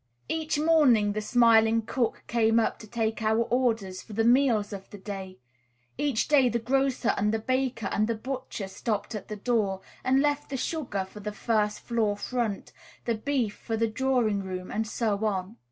Each morning the smiling cook came up to take our orders for the meals of the day; each day the grocer and the baker and the butcher stopped at the door and left the sugar for the "first floor front," the beef for the "drawing room," and so on.